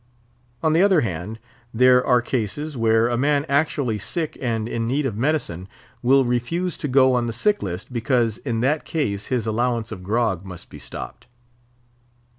On the other hand, there are cases where a man actually sick and in need of medicine will refuse to go on the sick list, because in that case his allowance of grog must be stopped.